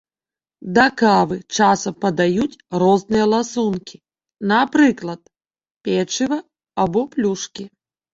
Да кавы часам падаюць розныя ласункі, напрыклад, печыва або плюшкі.